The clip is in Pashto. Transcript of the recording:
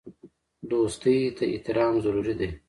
دوستۍ ته احترام ضروري دی.